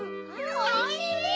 おいしい！